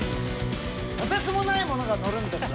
とてつもないものが乗るんです。